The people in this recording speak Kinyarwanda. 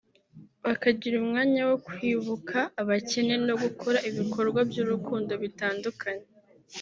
bakagira umwanya wo kwibuka abakene no gukora ibikorwa by’urukundo bitandukanye